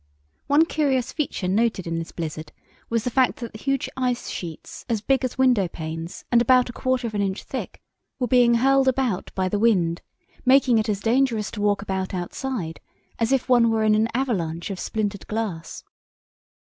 One curious feature noted in this blizzard was the fact that huge ice sheets as big as window panes, and about a quarter of an inch thick, were being hurled about by the wind, making it as dangerous to walk about outside as if one were in an avalanche of splintered glass.